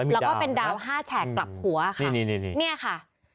แล้วก็เป็นดาว๕แฉกกลับหัวค่ะเนี่ยค่ะ